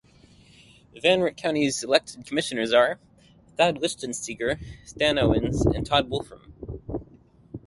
Van Wert County's elected commissioners are: Thad Lichtensteiger, Stan Owens, and Todd Wolfrum.